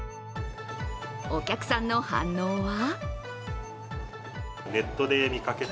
お客さんの反応は？